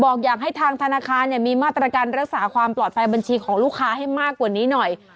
บอกอยากให้ทางธนาคารมีมาตรการรักษาความปลอดภัยบัญชีของลูกค้าให้มากกว่านี้หน่อย